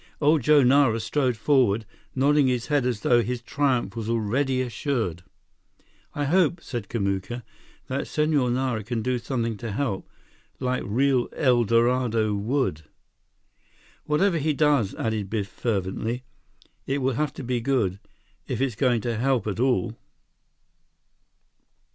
Old Joe Nara strode forward, nodding his head as though his triumph was already assured. "I hope," said Kamuka, "that Senhor Nara can do something to help, like real El Dorado would." "Whatever he does," added Biff fervently, "it will have to be good, if it's going to help at all!"